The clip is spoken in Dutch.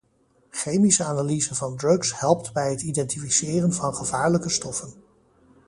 Chemische analyse van drugs helpt bij het identificeren van gevaarlijke stoffen.